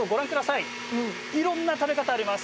いろんな食べ方があります。